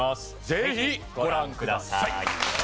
ぜひご覧ください。